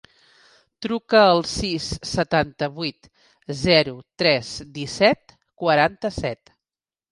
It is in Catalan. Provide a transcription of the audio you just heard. Truca al sis, setanta-vuit, zero, tres, disset, quaranta-set.